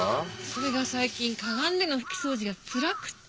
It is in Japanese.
それが最近かがんでの拭き掃除がつらくって。